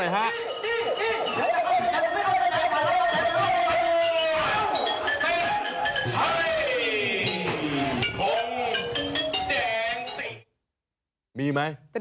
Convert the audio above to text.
จริงอยากจะเข้าอยากจะไม่เข้าจริงมาแล้วมาแล้ว